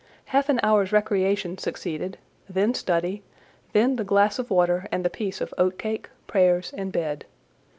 Half an hour's recreation succeeded, then study; then the glass of water and the piece of oat cake, prayers, and bed.